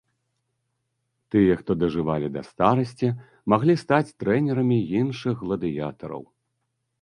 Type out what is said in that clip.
Тыя, хто дажывалі да старасці, маглі стаць трэнерамі іншых гладыятараў.